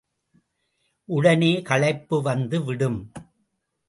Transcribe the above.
உடனே களைப்பு வந்து விடும்.